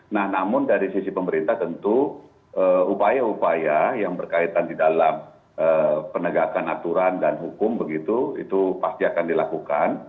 nah namun dari sisi pemerintah tentu upaya upaya yang berkaitan di dalam penegakan aturan dan hukum begitu itu pasti akan dilakukan